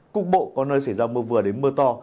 cục bộ có nơi xảy ra mưa vừa đến mưa to